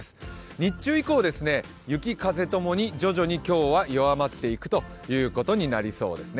日中以降、雪・風ともに徐々に今日は弱まっていくということになりそうですね。